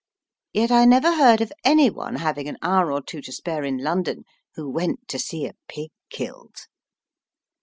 Yet I never heard of any one having an hour or two to spare in London who went to see a pig killed.